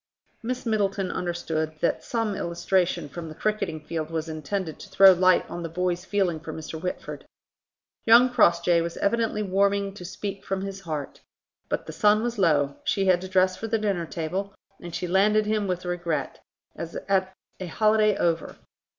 Miss Middleton understood that some illustration from the cricketing field was intended to throw light on the boy's feeling for Mr. Whitford. Young Crossjay was evidently warming to speak from his heart. But the sun was low, she had to dress for the dinner table, and she landed him with regret, as at a holiday over.